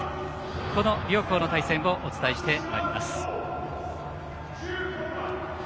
この両校の対戦をお伝えしてまいります。